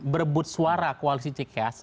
berebut suara koalisi cks